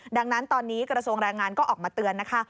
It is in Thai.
ดังนั้นตอนนี้กระทรวงแรงงานก็ออกมาเตือนนะคะ